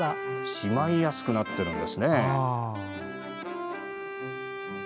しまいやすくなっているんですね。